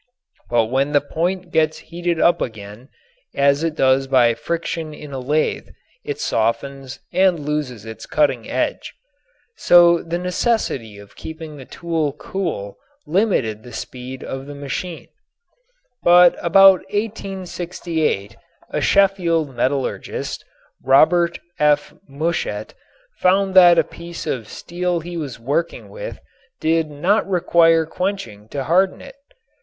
But when the point gets heated up again, as it does by friction in a lathe, it softens and loses its cutting edge. So the necessity of keeping the tool cool limited the speed of the machine. But about 1868 a Sheffield metallurgist, Robert F. Mushet, found that a piece of steel he was working with did not require quenching to harden it.